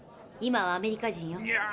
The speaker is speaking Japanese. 今はアメリカ人よ。